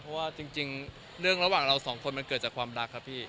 เพราะว่าจริงเรื่องระหว่างเราสองคนมันเกิดจากความรักครับพี่